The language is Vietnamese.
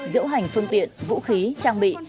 diễu hành phương tiện vũ khí trang bị